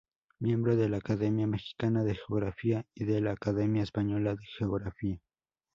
Miembro de la Academia Mexicana de Geografía y de la Academia española de Geografía.